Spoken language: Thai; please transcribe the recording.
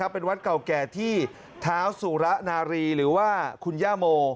เป็นวัดเก่าแก่ที่เท้าสุระนารีหรือว่าคุณย่าโม